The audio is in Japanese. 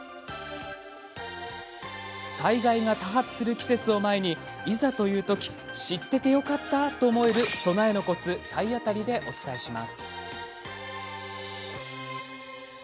災害が多発する季節を前にいざというとき、知っててよかったと思える備えのコツ体当たりでお伝えします。